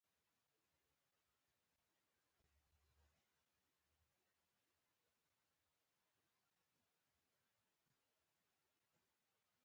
ځکه چې زوی مې ونه لید او تقریبا درې ثانیې وروسته